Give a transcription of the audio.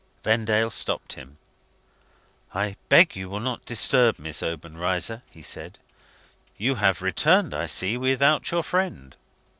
Vendale stopped him. "I beg you will not disturb Miss Obenreizer," he said. "You have returned, I see, without your friend?"